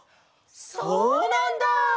そうなんだ！